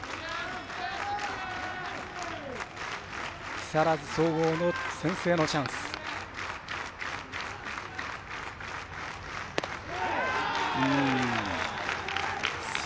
木更津総合の先制のチャンス。